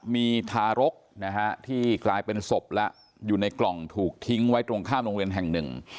มีทารกนะฮะที่กลายเป็นศพแล้วอยู่ในกล่องถูกทิ้งไว้ตรงข้ามโรงเรียนแห่งหนึ่ง